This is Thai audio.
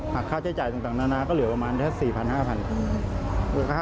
หากค่าใช้จ่ายต่างนานาก็เหลือประมาณ๔๐๐๐๕๐๐๐บาท